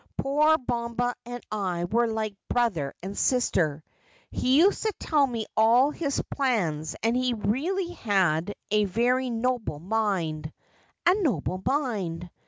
Poor Bomba and I were like brother and sister. He used to tell me all his plans, and he really had a very noble mind — a noble mind.